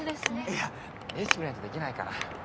いやレシピ見ないとできないから。